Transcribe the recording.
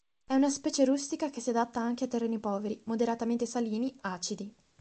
È una specie rustica che si adatta anche a terreni poveri, moderatamente salini, acidi.